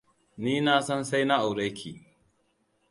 Ni na san sai na aure ki.